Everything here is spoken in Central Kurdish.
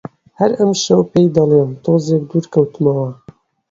هەر ئەمشەو پێی دەڵێم، تۆزێک دوور کەوتمەوە